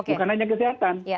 bukan hanya kesehatan